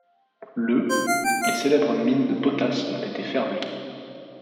Le les célèbres mines de potasse ont été fermées.